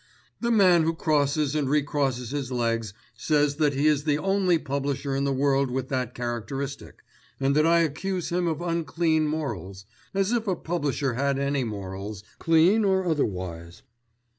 "The man who crosses and recrosses his legs says that he is the only publisher in the world with that characteristic, and that I accuse him of unclean morals, as if a publisher had any morals, clean or otherwise.